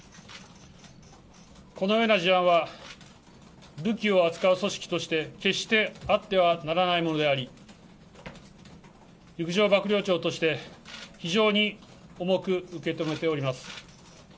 このような事案は、武器を扱う組織として決してあってはならないものであり、陸上幕僚長として、非常に重く受け止めています。